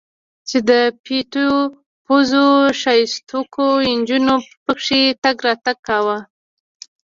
چې د پيتو پوزو ښايستوکو نجونو پکښې تګ راتګ کاوه.